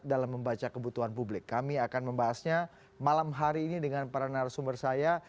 dalam membaca kebutuhan publik kami akan membahasnya malam hari ini dengan para narasumber saya